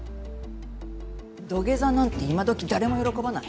土下座なんて今どき誰も喜ばない。